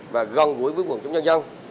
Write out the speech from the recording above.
và gần gũi với quận chống nhân dân